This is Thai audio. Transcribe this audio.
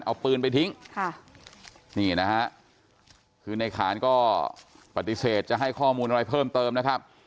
เอาปืนไปทิ้งค่ะนี่นะฮะคือในขานก็ปฏิเสธจะให้ข้อมูลอะไรเพิ่มเติมนะครับ